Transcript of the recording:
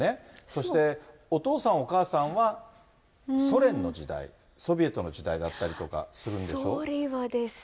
そして、お父さん、お母さんはソ連の時代、ソビエトの時代だったりとかするんでしょ？